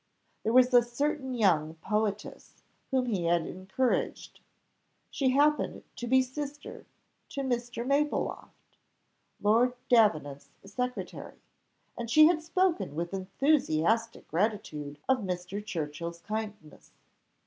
There was a certain young poetess whom he had encouraged; she happened to be sister to Mr. Mapletofft, Lord Davenant's secretary, and she had spoken with enthusiastic gratitude of Mr. Churchill's kindness.